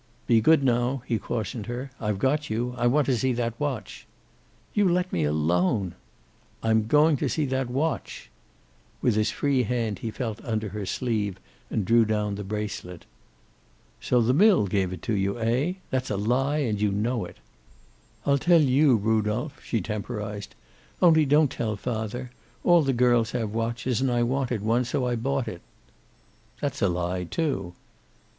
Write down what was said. "Be good, now," he cautioned her. "I've got you. I want to see that watch." "You let me alone." "I'm going to see that watch." With his free hand he felt under her sleeve and drew down the bracelet. "So the mill gave it to you, eh? That's a lie, and you know it." "I'll tell you, Rudolph," she temporized. "Only don't tell father. All the girls have watches, and I wanted one. So I bought it." "That's a lie, too."